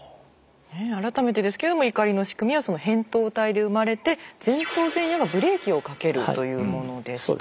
改めてですけども怒りの仕組みは扁桃体で生まれて前頭前野がブレーキをかけるというものでした。